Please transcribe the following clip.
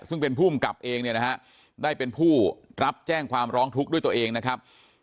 ซึ่งเป็นผู้มันกลับเองได้เป็นผู้รับแจ้งความร้องทุกข์ด้วยตัวเองนะครับ